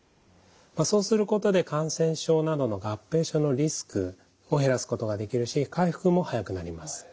そうすることで感染症などの合併症のリスクを減らすことができるし回復も早くなります。